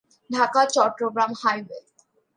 Dhaka Chattogram highway.